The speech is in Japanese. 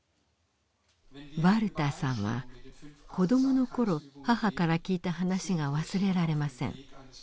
ヴァルターさんは子どもの頃母から聞いた話が忘れられません。